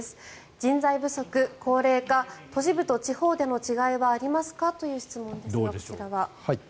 人材不足、高齢化都市部と地方での違いはありますかということですが。